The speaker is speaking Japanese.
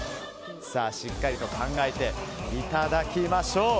しっかりと考えていただきましょう。